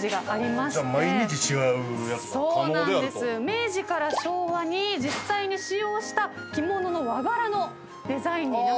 明治から昭和に実際に使用した着物の和柄のデザインになっています。